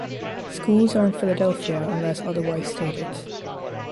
Schools are in Philadelphia unless otherwise stated.